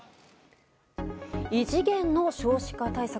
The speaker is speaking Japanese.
異次元の少子化対策。